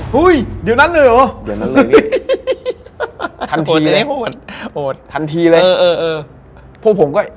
เฮ้ยเดี๋ยวนั้นเลยเหรอฮ่าพี่ทันทีเลยเพราะผมก็